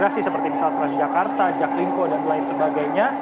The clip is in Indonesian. seperti misal transjakarta jaklinko dan lain sebagainya